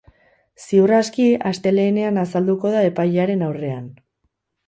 Ziur aski, astelehenean azalduko da epailearen aurrean.